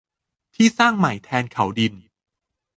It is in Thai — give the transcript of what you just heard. ที่สร้างใหม่แทนเขาดิน